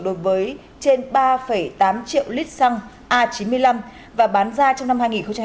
đối với trên ba tám triệu lít xăng a chín mươi năm và bán ra trong năm hai nghìn hai mươi